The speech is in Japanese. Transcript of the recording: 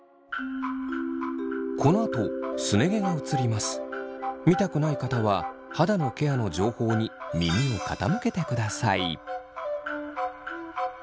このあと見たくない方は肌のケアの情報に耳を傾けてください。